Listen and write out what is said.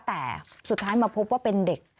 แต่สุดท้ายมาพบว่าเป็นเด็ก